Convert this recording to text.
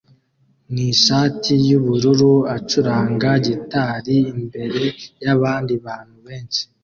nishati yubururu acuranga gitari imbere yabandi bantu benshi